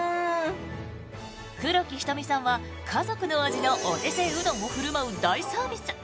黒木瞳さんは、家族の味のお手製うどんを振る舞う大サービス。